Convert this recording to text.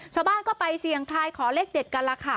ชาวบ้านก็ไปเสี่ยงทายขอเลขเด็ดกันล่ะค่ะ